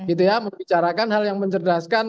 itu ya membicarakan hal yang mencerdaskan